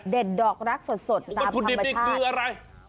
เด็ดดอกรักสดสดตามธรรมชาติ